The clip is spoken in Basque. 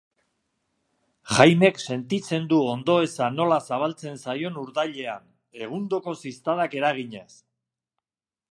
Jaimek sentitzen du ondoeza nola zabaltzen zaion urdailean, egundoko ziztadak eraginez.